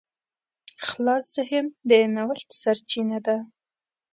خلاص ذهن د نوښت سرچینه ده.